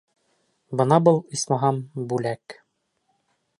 Бына был, исмаһам, бүләк!